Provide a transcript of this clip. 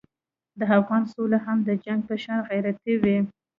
د افغان سوله هم د جنګ په شان غیرتي وي.